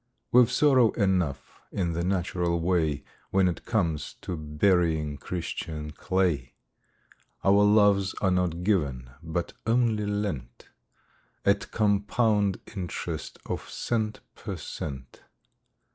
We've sorrow enough in the natural way, When it comes to burying Christian clay. Our loves are not given, but only lent, At compound interest of cent per cent.